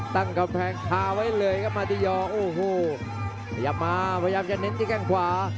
ตั้งกำแพงคาไว้เลยครับมาติยอโอ้โหขยับมาพยายามจะเน้นที่แข้งขวา